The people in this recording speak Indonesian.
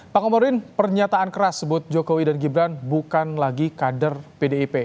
pak komarudin pernyataan keras sebut jokowi dan gibran bukan lagi kader pdip